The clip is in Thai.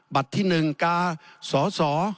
บัตรที่๑กาสอสอ